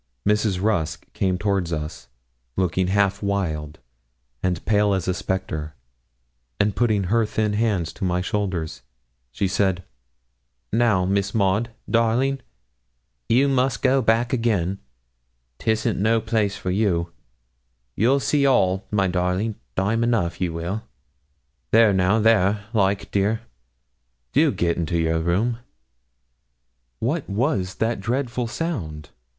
Mrs. Rusk came towards us looking half wild, and pale as a spectre, and putting her thin hands to my shoulders, she said 'Now, Miss Maud, darling, you must go back again; 'tisn't no place for you; you'll see all, my darling, time enough you will. There now, there, like a dear, do get into your room.' What was that dreadful sound?